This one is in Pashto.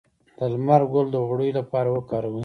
د لمر ګل د غوړیو لپاره وکاروئ